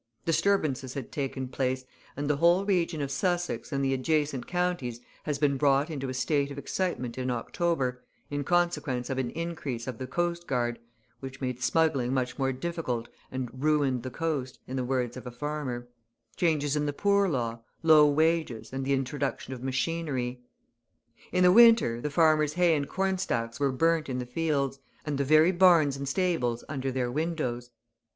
Disturbances had taken place, and the whole region of Sussex and the adjacent counties has been brought into a state of excitement in October, in consequence of an increase of the coastguard (which made smuggling much more difficult and "ruined the coast" in the words of a farmer), changes in the Poor Law, low wages, and the introduction of machinery. In the winter the farmers' hay and corn stacks were burnt in the fields, and the very barns and stables under their windows.